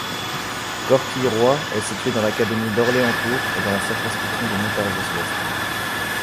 Corquilleroy est située dans l'académie d'Orléans-Tours et dans la circonscription de Montargis-ouest.